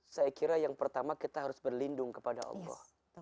saya kira yang pertama kita harus berlindung kepada allah